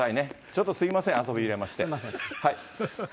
ちょっとすみません、遊び入れまして。